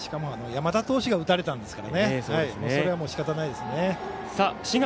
しかも山田投手が打たれたのでそれはしかたないですね。